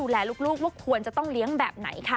ดูแลลูกว่าควรจะต้องเลี้ยงแบบไหนค่ะ